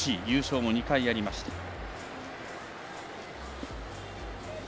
優勝も２回ありました。